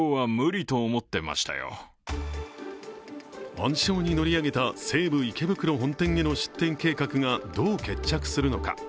暗礁に乗り上げた西武池袋本店への出店計画がどう決着するのか。